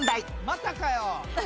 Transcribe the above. またかよ！